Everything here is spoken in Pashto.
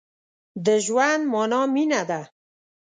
د ژوند مانا مينه ده.